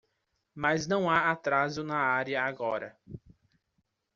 Mas não há atraso na área agora.